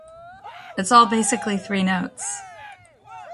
It's all basically three notes!